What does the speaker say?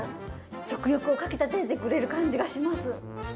食欲をかきたててくれる感じがします。